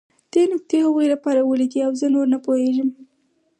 دې نکتې هغوی راپارولي دي او زه نور نه پوهېږم